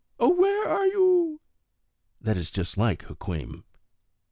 O where are you?_ That is just like Hukweem.